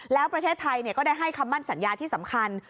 แล้วประเทศไทยก็ได้ให้คำมั่นสัญญาที่สำคัญ